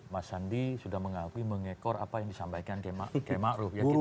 mas sandi sudah mengakui mengekor apa yang disampaikan km ma'ruf